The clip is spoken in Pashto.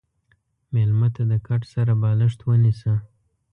مېلمه ته د کټ سره بالښت ونیسه.